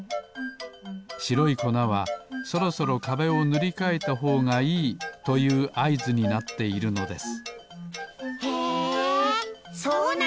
しろいこなはそろそろかべをぬりかえたほうがいいというあいずになっているのですへえそうなんだ！